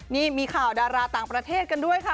นี่มีข่าวดาราต่างประเทศกันด้วยค่ะ